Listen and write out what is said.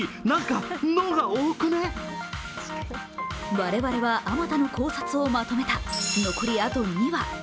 我々はあまたの考察をまとめた残りあと２話。